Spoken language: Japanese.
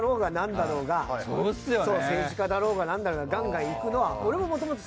そう政治家だろうがなんだろうがガンガンいくのは。